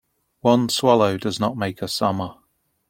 One swallow does not make a summer.